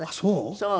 そう？